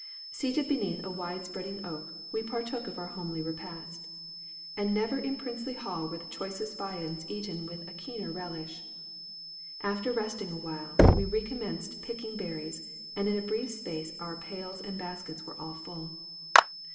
Seated beneath a wide spreading oak, we partook of our homely repast; and never in princely hall were the choicest viands eaten with a keener relish. After resting a while, we recommenced picking berries, and in a brief space our pails and baskets were all full.